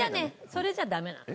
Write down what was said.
それじゃダメなの。